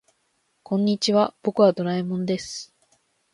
こんにちは、僕はドラえもんです。